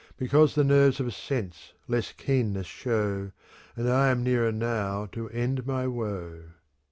Because the nerves of sense less keenness show, " And I am nearer now to end my woe.